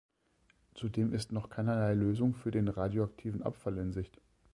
Zudem ist noch keinerlei Lösung für den radioaktiven Abfall in Sicht.